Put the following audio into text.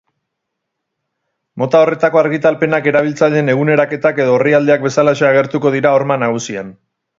Mota horretako argitalpenak erabiltzaileen eguneraketak edo orrialdeak bezalaxe agertuko dira horma nagusian.